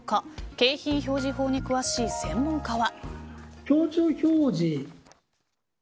景品表示法に詳しい専門家は。